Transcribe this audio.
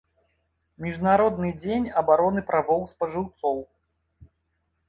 Міжнародны дзень абароны правоў спажыўцоў.